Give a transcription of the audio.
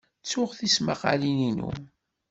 Ttuɣ tismaqqalin-inu.